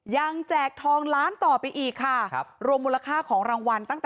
ยังแจกทองล้านต่อไปอีกค่ะ